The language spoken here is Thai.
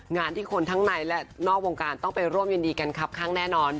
งานที่คนทั้งในและนอกวงการต้องไปร่วมยินดีกันครับข้างแน่นอน